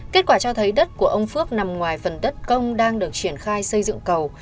kết quả cho thấy đất của ông phước nằm ngoài phần đất công đang được triển khai xây dựng cầu